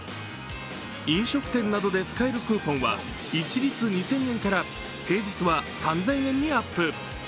飲食店などで使えるクーポンは一律２０００円から平日は３０００円にアップ。